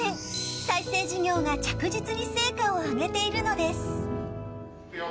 再生事業が着実に成果を上げているのです。